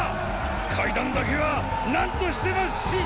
階段だけは何としても死守だァ！！